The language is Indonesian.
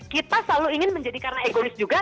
kita selalu ingin menjadi karena egois juga